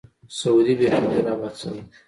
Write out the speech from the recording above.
سعودي بیخي ډېر آباد شوی.